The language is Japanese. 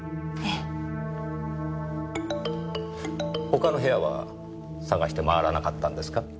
他の部屋は捜して回らなかったんですか？